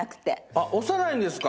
あっ押さないんですか？